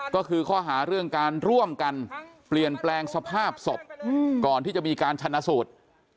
ก็คือข้อหาเรื่องการร่วมกันเปลี่ยนแปลงสภาพศพก่อนที่จะมีการชนะสูตร